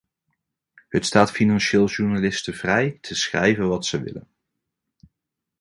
Het staat financieel journalisten vrij te schrijven wat zij willen.